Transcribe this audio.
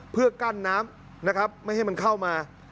เพื่อกั้นน้ำนะครับไม่ให้มันเข้ามา